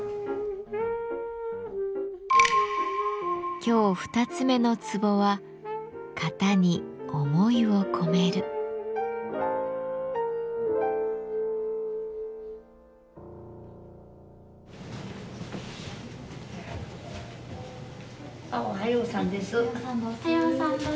今日二つ目のツボはおはようさんです。